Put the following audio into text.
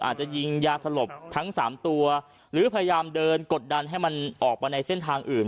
อาจจะยิงยาสลบทั้ง๓ตัวหรือพยายามเดินกดดันให้มันออกมาในเส้นทางอื่น